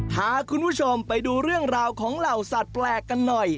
พาคุณผู้ชมไปดูเรื่องราวของเหล่าสัตว์แปลกกันหน่อย